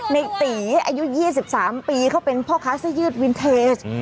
ในตีอายุ๒๓ปีเขาเป็นพ่อค้าเสื้อยืดวินเทส